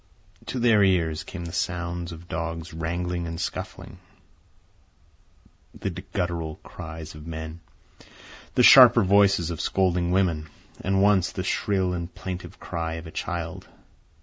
To their ears came the sounds of dogs wrangling and scuffling, the guttural cries of men, the sharper voices of scolding women, and once the shrill and plaintive cry of a child.